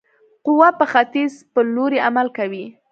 قوه په ختیځ په لوري عمل کوي.